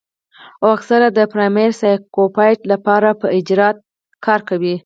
او اکثر د پرائمري سايکوپېت له پاره پۀ اجرت کار کوي